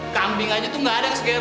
kambing aja tuh gak ada yang segera